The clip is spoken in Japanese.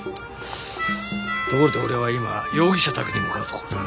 ところで俺は今容疑者宅に向かうところだ。